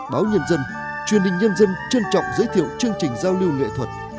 báo nhân dân truyền hình nhân dân trân trọng giới thiệu chương trình giao lưu nghệ thuật